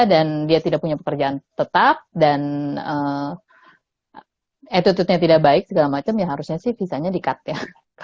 dan dia tidak punya pekerjaan tetap dan etututnya tidak baik segala macam ya harusnya sih visanya di cut ya